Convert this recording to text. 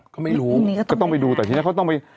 ก็ไม่รู้ก็ต้องไปดูแต่ทีนี้เขาต้องไป